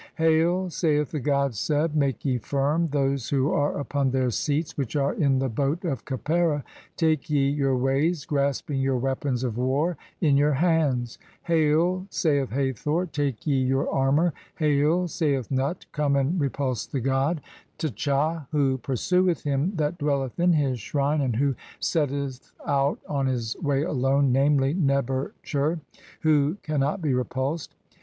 'Hail', saith the god Seb, "Make ye firm those who are upon their seats which are in the 'boat of Khepera, (17) take ye your ways, [grasping] your 'weapons of war in your hands.' 'Hail', saith Hathor, 'Take ye 'vour armour.' 'Hail', saith Nut, 'Come and repulse the god (18) 'Tcha who pursueth him that dwelleth in his shrine and who 'setteth out on his way alone, namely, Neb er tcher, who can 'not be repulsed.'